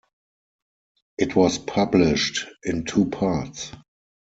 It was published in two parts.